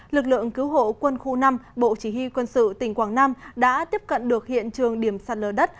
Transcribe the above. lực lượng cứu hộ quân khu năm bộ chỉ huy quân sự tỉnh quảng nam đã tiếp cận được hiện trường điểm sạt lở đất